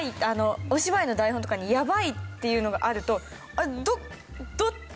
お芝居の台本とかに「やばい」っていうのがあるとどこの「やばい」だ？